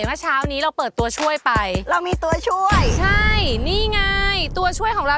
เมื่อเช้านี้เราเปิดตัวช่วยไปเรามีตัวช่วยใช่นี่ไงตัวช่วยของเรา